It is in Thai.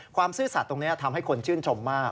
ซื่อสัตว์ตรงนี้ทำให้คนชื่นชมมาก